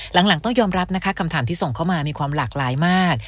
หลังต้องยอมรับนะคะคำถามที่ส่งเข้ามามีความหลากหลายมาก